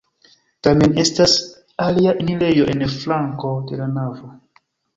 Tamen estas alia enirejo en flanko de la navo.